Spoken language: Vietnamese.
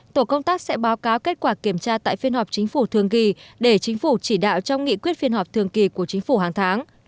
tổ công tác sẽ báo cáo kết quả kiểm tra tại phiên họp chính phủ thường kỳ để chính phủ chỉ đạo trong nghị quyết phiên họp thường kỳ của chính phủ hàng tháng